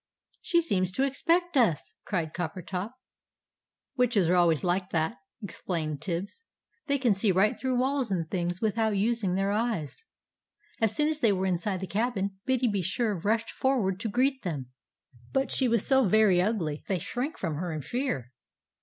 "She seems to expect us!" cried Coppertop. "Witches are always like that!" explained Tibbs; "they can see right through walls and things without using their eyes." As soon as they were inside the cabin, Biddy be sure rushed forward to greet them. But she was so very ugly that they shrank from her in fear.